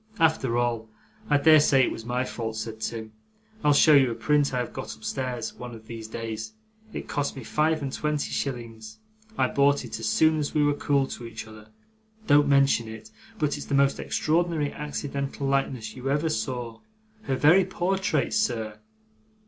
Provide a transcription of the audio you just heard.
'After all, I dare say it was my fault,' said Tim. 'I'll show you a print I have got upstairs, one of these days. It cost me five and twenty shillings. I bought it soon after we were cool to each other. Don't mention it, but it's the most extraordinary accidental likeness you ever saw her very portrait, sir!